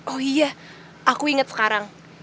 oh iya aku inget sekarang